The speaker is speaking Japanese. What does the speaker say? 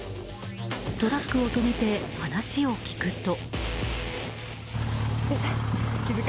トラックを止めて、話を聞くと。